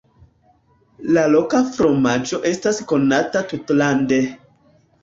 La loka fromaĝo estas konata tutlande.